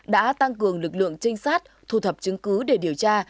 đã tăng cường lực lượng trinh sát thu thập chứng cứ để điều tra